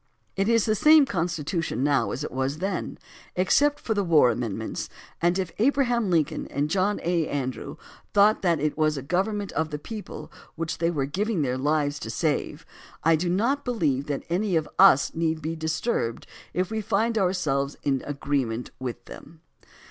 It is the same Constitution now as it was then, ex cept for the war amendments, and if Abraham Lincoln and John A. Andrew thought that it was a government of the people which they were giving their lives to save, I do not believe that any of us need be disturbed if we find ourselves in agreement with them.